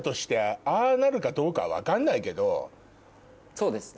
そうですね。